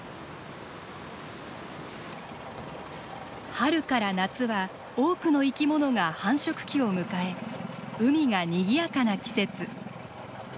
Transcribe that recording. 春から夏は多くの生きものが繁殖期を迎え海がにぎやかな季節。